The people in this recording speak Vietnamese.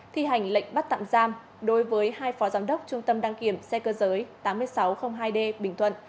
thi hành lệnh bắt tạm giam đối với hai phó giám đốc trung tâm đăng kiểm xe cơ giới tám nghìn sáu trăm linh hai d bình thuận